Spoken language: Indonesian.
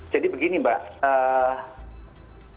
jadi begini mbak